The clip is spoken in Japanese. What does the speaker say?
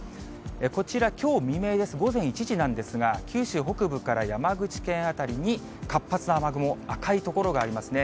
こちら、きょう未明です、午前１時なんですが、九州北部から山口県辺りに活発な雨雲、赤い所がありますね。